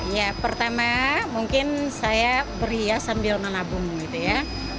ya pertama mungkin saya berhias sambil menabung gitu ya